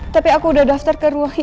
tapi aku udah daftar ke ruang igd